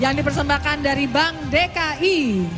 yang dipersembahkan dari bank dki